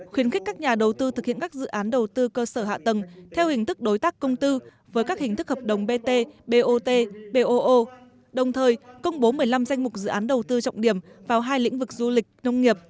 khuyến khích các nhà đầu tư thực hiện các dự án đầu tư cơ sở hạ tầng theo hình thức đối tác công tư với các hình thức hợp đồng bt bot đồng thời công bố một mươi năm danh mục dự án đầu tư trọng điểm vào hai lĩnh vực du lịch nông nghiệp